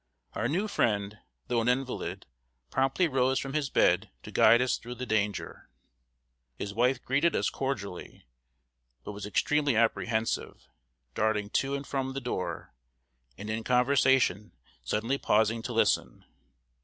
Our new friend, though an invalid, promptly rose from his bed to guide us through the danger. His wife greeted us cordially, but was extremely apprehensive darting to and from the door, and in conversation suddenly pausing to listen.